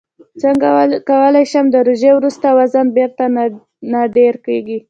څنګه کولی شم د روژې وروسته وزن بېرته نه ډېرېږي